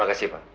terima kasih pak